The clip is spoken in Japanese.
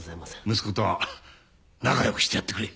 息子とは仲良くしてやってくれ。